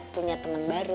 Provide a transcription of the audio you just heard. punya temen baru